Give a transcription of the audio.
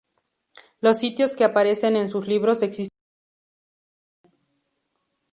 Los sitios que aparecen en sus libros existen en el mundo real.